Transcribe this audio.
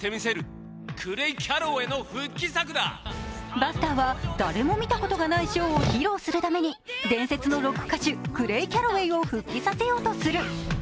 バスターは誰も見たことがないショーを披露するために伝説のロック歌手クレイ・キャロウェイを復帰させようとする。